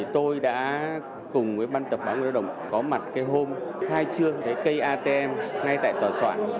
tôi đã cùng với ban tập báo người lao động có mặt cái hôm khai trương cây atm ngay tại tòa soạn